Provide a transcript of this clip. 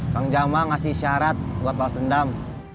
bang jama ngasih syarat buat wasendam